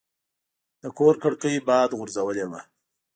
د کور کړکۍ باد غورځولې وه.